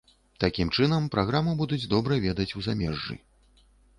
Такім чынам, праграму будуць добра ведаць у замежжы.